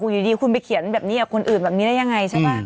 อยู่ดีคุณไปเขียนแบบนี้กับคนอื่นแบบนี้ได้ยังไงใช่ป่ะ